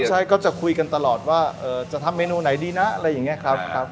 ใช่ก็จะคุยกันตลอดว่าจะทำเมนูไหนดีนะอะไรอย่างนี้ครับ